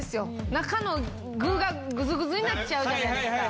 中の具がぐずぐずになっちゃうじゃないですか。